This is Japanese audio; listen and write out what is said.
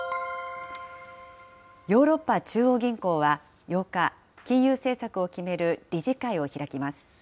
ヨーロッパ中央銀行は８日、金融政策を決める理事会を開きます。